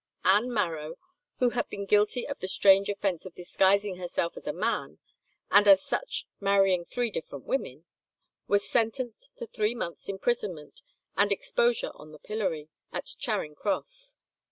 Ann Marrow, who had been guilty of the strange offence of disguising herself as a man, and as such marrying three different women, was sentenced to three months' imprisonment, and exposure on the pillory, at Charing Cross.